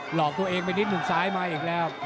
หลอกตัวเองไปนิดหนึ่งซ้ายมาอีกแล้ว